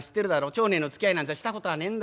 町内のつきあいなんざしたことはねえんだよ？